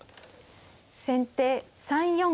先手３四銀。